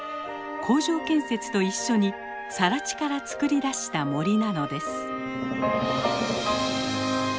工場建設と一緒にさら地からつくり出した森なのです。